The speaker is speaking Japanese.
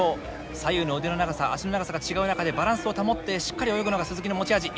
左右の腕の長さ脚の長さが違う中でバランスを保ってしっかり泳ぐのが鈴木の持ち味。